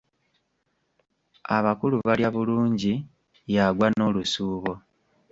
"Abakulu balya bulungi", y'agwa n'olusuubo.